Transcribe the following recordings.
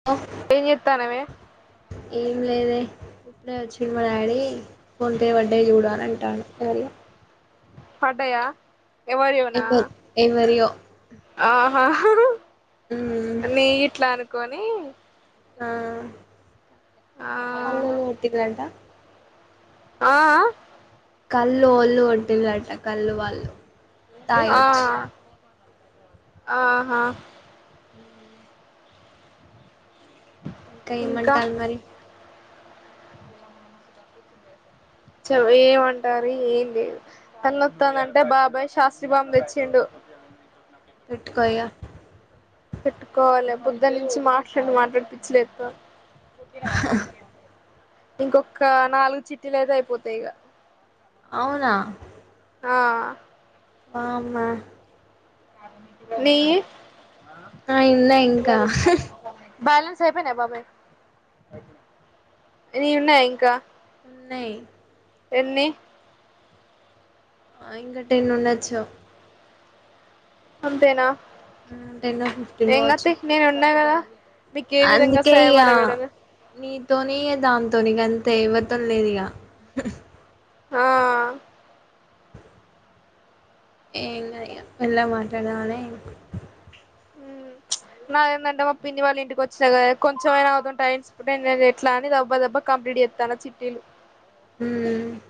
[inaudible] ఏం చేత్తానవే ఏం లేదే ఇప్పుడే వచ్చి మా డాడీ ఫోన్ పే పడ్డయ్ చూడు అని అంటాండు ఎవరియొ. పడ్డయా ఎవవరియోనా ఎవరు ఎవరియో ఆహ మ్మ్ నీయి గిట్లా అనుకొనీ ఆ ఆ ఆ [inaudible] పల్లుల్ గొట్టిళ్ళంటా. ఆ ఆ కళ్ళు ఒళ్ళు వంటిళ్ళట కళ్ళు వాళ్ళు. ఆ తాగొచ్చి ఆహా ఇంకా ఏమంటారు మరి చెప్ ఏమంటారు ఏంది తలన్నొత్తాన్దంటే బాబాయ్ శాస్త్రి బామ్ తెచ్చిండు. పెట్టుకో ఇగా పెట్టుకోవాలె పొద్దుటి నుంచి మాట్లాడి మాట్లాడి పిచ్చిలేత్తాంది. ఇంకొక్కా నాలుగు చిట్టీలు అయితే అయిపోతయి ఇగ. అవునా ఆ వా అమ్మా నీయీ నాయి ఉన్నయి ఇంకా బ్యాలెన్స్ అయిపొయినయ బాబాయ్ నీయి ఉన్నయా ఇంకా. ఉన్నయి ఎన్ని ఆ ఇంక టెన్ ఉండొచ్చు. అంతేనా టెన్ ఫిఫ్టీన్ ఏంగాద్ కావచ్చు తి నేను ఉన్నా గదా. మీక్ ఏ విధంగా సాయపడగడను నీతోనీ ఇగ దాన్తోని గంతే ఎవ్వరితోని లేదు ఇగా. ఆ ఏం లేదు ఇగ మెళ్ళగ మాట్లాడదామనీ. ఊ ప్చ్ నాదేందంటే మా పిన్ని వాళ్ళ ఇంటికి వచ్చిన గదా కొంచెంమయినా వాళ్తోన్ టైమ్స్. [unintelligible] ఎట్లా అని దబ్బ దబ్బా కంప్లీట్ చేత్తానా చిట్టీలు. హ్మూ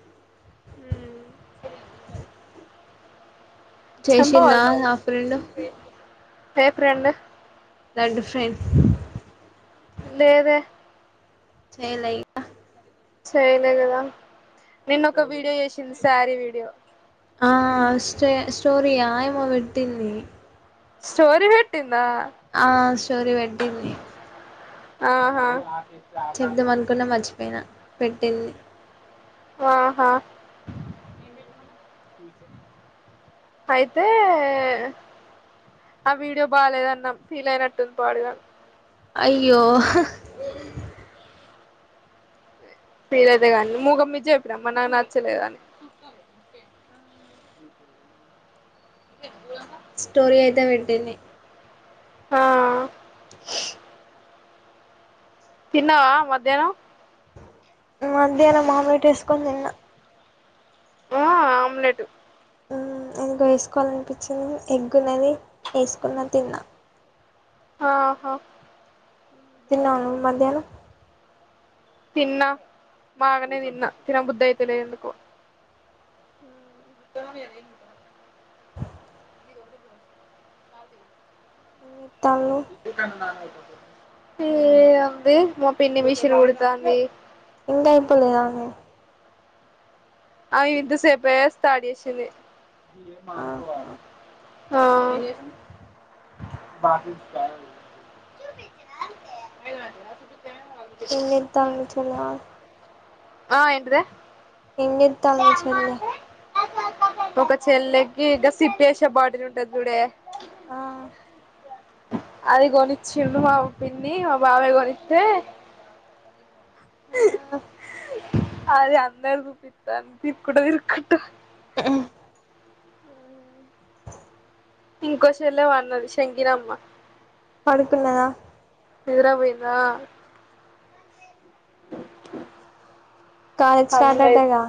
చెంప చేసిందా పగుల్తది నా ఫ్రెండ్ రేపు రెండు లాంటి డిఫరెన్స్ లేదే చెయ్యలే ఇగ్ చేయ్యలే గదా నిన్న ఒక వీడియో చేశింది శారీ వీడియో. ఆ స్టే స్టోరీ ఆ ఏమో పెట్టిందీ. స్టోరి పెట్టిందా ఆ స్టోరీ పెట్టింది ఆహా చెప్దామనుకున్నా మర్చిపోయినా పెట్టింది ఆహా అయితే ఆ వీడియో బాాలేదన్న ఫీల్ అయినట్టుంది పాడుగాన్ అయ్యో ఫీల్ అయితేగాని మూగమ్మి చెప్పిన మరి నాకు నచ్చలేదని ఆ టెంపులన్నావ్ స్టోరీ అయితే పెట్టింది హా తిన్నావా మధ్యానమ్ మధ్యానం ఆమ్లెట్ ఏసుకోని తిన్నా ఆ ఆమ్లెటు ఊ ఎందుకో వేస్కోవాలనిపించింది ఎగ్గున్నది ఏస్కున్న తిన్నా ఆహా తిన్నావా నువ్ మధ్యాహ్నం తిన్నా మాగనే తిన్నా తినబుద్ధయితలే ఎందుకో హా ఇస్తాన్ మమ్మీ అని తల్నో ఏ అంది మా పన్ని మిషిన్ కుడతాంది ఇంకా అయిపోలేదానే అవి ఇంత సేపే స్టార్ట్ చేసింది ఆహా ఆ ఏ మా సతే [inaudible] ఇంకెంతాంది చెలాయ్ ఆ ఎంటిదే ఏం చెత్తంది మీ చెల్లె ఒక చెల్లెకి ఇంకా సిప్ చేసే బాటిల్ ఉంటాది చూడే ఆ అది కొనిచ్చిండు మా పిన్ని మా బాబాయ్ కొనిత్తె ఆ అది అందరికీ చూపుతాంది తిరుక్కుంట తిరుక్కుంట ఇంకో చెల్లె పన్నది షెంకినమ్మ పడుకున్నదా నిదరపోయిందా కాలేజ్ స్టార్ట్ పనిలేద్ అటగా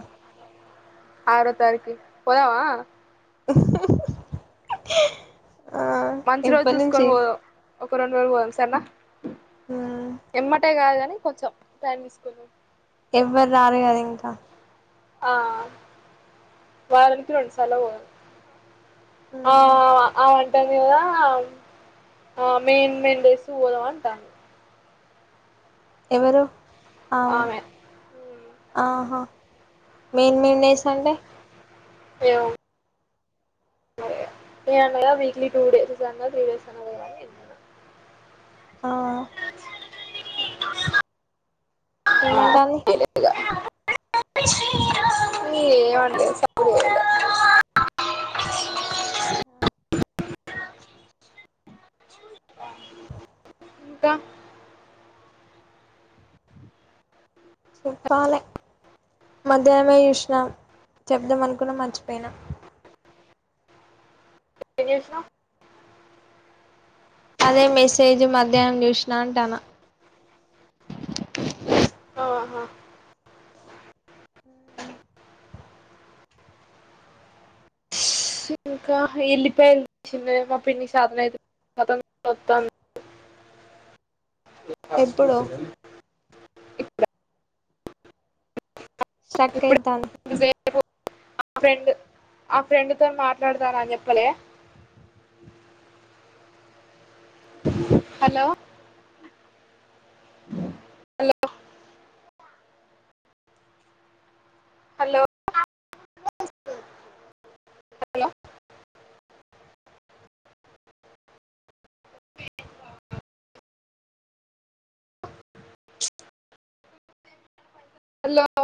ఆరో తారీక్కి పోదామా ఆ మంచి రోజు ఎప్పటి చూసుకొని నుంచి పోదం ఒక రెండు రోజులు పోదాం సరేనా మ్మ్ ఎమ్మటే కాదు గని కొంచెం టైమ్ తీసుకుందాం ఎవ్వరు రారు కదా ఇంకా ఆ వారానికి రెండు సార్ల పోవాలి ఆ మ్మ్ అమంటది కదా ఆ మెయిన్ మెయిన్ ప్లేస్ పోదాం అంటాంది ఎవరు ఆ ఆమె ఆహా మెయిన్ మెయిన్ లేసులు అంటె ఏమో నే అన్నగా వీక్లీ టూ డేస్ అన్న త్రీ డేస్ అన్న పోదాం అని అన్న ఆ ఏమంటాంది ఏ లే ఏం అర్థం కా ఆ ఇంకా చెప్పాలే మధ్యాహ్నమే చూసినా చెబుదాం అనుకున్నా మర్చిపోయినా ఏం చేస్తున్నావ్ అదే మెసేజ్ మధ్యాహ్నం చూసినా అంటాన ఆహా ఇంకా ఎల్లిపాయలు తెచ్చింది మా పిన్ని సతనయితలేదు తలకాయ నోతాంది ఎప్పుడు [inaudible] స్ట్రక్ అయితంది ఆ ఫ్రెండ్ ఆ ఫ్రెండ్ తో మాట్లాడతాను అని చెప్పలే హలో హలో హాల్లో హాలో హాల్లో